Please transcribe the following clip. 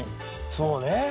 そうね。